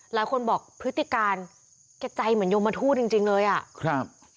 หลายคนบอกพฤติการแก่ใจเหมือนโยมมะทูตจริงเลยอะ